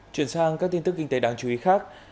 chuyển sang các tin tức kinh tế đáng chú ý khác